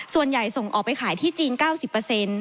ส่วนใหญ่ส่งออกไปขายที่จีน๙๐